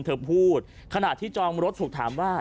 เธอพูดขณะที่จองรถถูกถามว่า